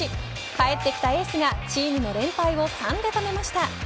帰ってきたエースがチームの連敗を３で止めました。